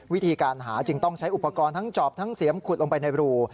วิธีการหาจึงต้องใช้อุปกรณ์ทั้งจอบทั้งเสียมขุดลงไปในรู